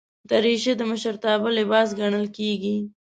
دریشي د مشرتابه لباس ګڼل کېږي.